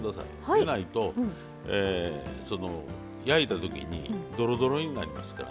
でないと焼いたときにどろどろになりますからね。